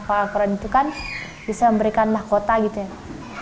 al quran itu kan bisa memberikan mahkota gitu ya